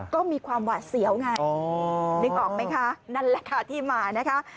ก็มีความหวาดเสียวไงนึกออกไหมคะนั่นแหละค่ะที่มานะคะ